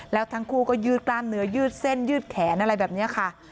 แล้วทั้งคู่ก็ยืดกล้ามเนื้อยืดเส้นยืดแขนอะไรแบบนี้ค่ะ